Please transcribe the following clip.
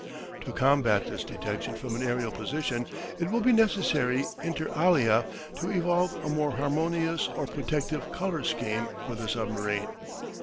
To combat this detection from an aerial position it will be necessary inter alia to evolve a more harmonious or protective colour scheme for the submarine.